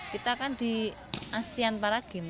kita kan di asean para games